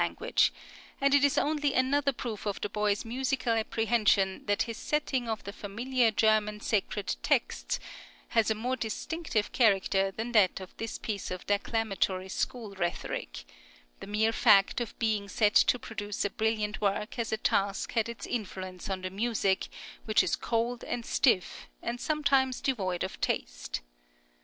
} (62) language; and it is only another proof of the boy's musical apprehension that his setting of the familiar German sacred texts has a more distinctive character than that of this piece of declamatory school rhetoric; the mere fact of being set to produce a brilliant work as a task had its influence on the music, which is cold and stiff, and sometimes devoid of taste.